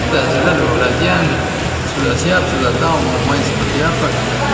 kita sudah berlatih sudah siap sudah tahu mau main seperti apa